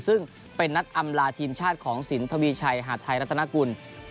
ซึ่งเป็นนัดอำลาทีมชาติของสินทวีชัยหาดไทยรัฐนากุล